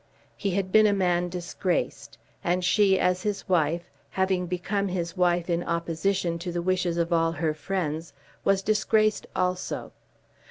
He had been a man disgraced, and she as his wife, having become his wife in opposition to the wishes of all her friends, was disgraced also.